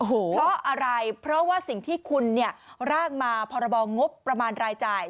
เพราะอะไรเพราะว่าสิ่งที่คุณร่างมาพรบงบประมาณรายจ่าย